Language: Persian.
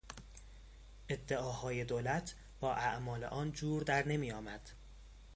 ادعاهای دولت با اعمال آن جور در نمیآمد.